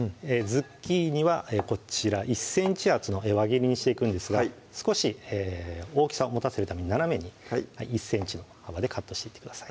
ズッキーニはこちら１ｃｍ厚の輪切りにしていくんですが少し大きさを持たせるために斜めに１ｃｍの幅でカットしていってください